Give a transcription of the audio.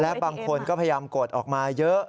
และบางคนก็พยายามกดออกมาเยอะ